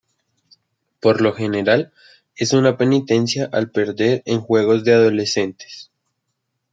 Por lo general es una penitencia al perder en juegos de adolescentes.